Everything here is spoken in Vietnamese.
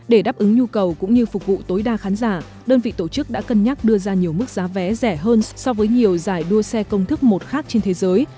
để đáp ứng nhu cầu cũng như phục vụ tối đa khán giả đơn vị tổ chức đã cân nhắc đưa ra nhiều mức giá vé rẻ hơn so với nhiều giải đua xe công thức một khác trên thế giới